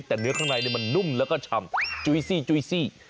แต่เนื้อข้างในมันนุ่มแล้วก็ชำจุ๊ยซี่